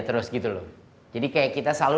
terus gitu loh jadi kayak kita selalu